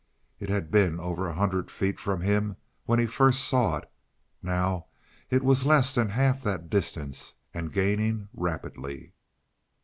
It had been over a hundred feet from him when he first saw it. Now it was less than half that distance and gaining rapidly.